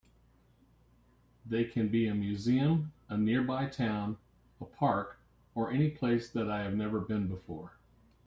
They can be a museum, a nearby town, a park, or any place that I have never been before.